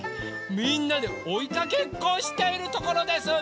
みんなでおいかけっこをしているところです。